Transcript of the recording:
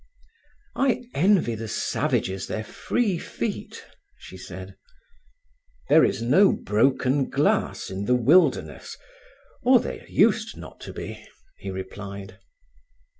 "I envy the savages their free feet," she said. "There is no broken glass in the wilderness—or there used not to be," he replied.